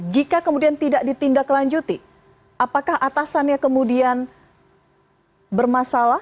jika kemudian tidak ditindak lanjuti apakah atasannya kemudian bermasalah